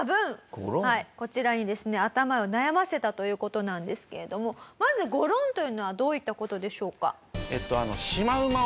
こちらにですね頭を悩ませたという事なんですけれどもまずゴロンというのはどういった事でしょうか？